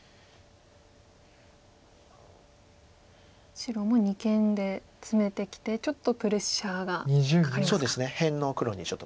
白も二間でツメてきてちょっとプレッシャーがかかりますか。